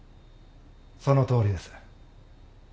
そのとおりです。